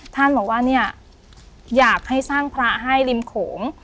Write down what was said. ท่านบอกว่าเนี่ยอยากให้สร้างพระให้ริมโขง